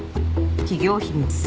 企業秘密。